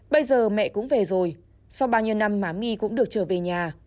bây giờ mẹ cũng về rồi sau bao nhiêu năm má my cũng được trở về nhà